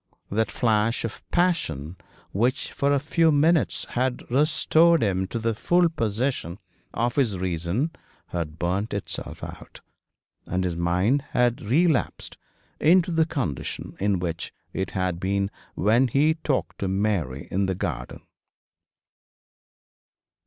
That flash of passion which for a few minutes had restored him to the full possession of his reason had burnt itself out, and his mind had relapsed into the condition in which it had been when he talked to Mary in the garden.